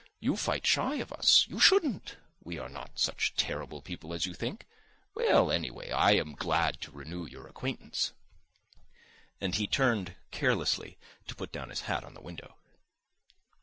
You fight shy of us. You shouldn't. We are not such terrible people as you think. Well, anyway, I am glad to renew our acquaintance." And he turned carelessly to put down his hat on the window.